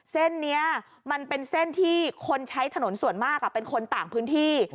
เส้นนี้มันเป็นเส้นที่คนใช้ถนนส่วนมากเป็นคนต่างพื้นที่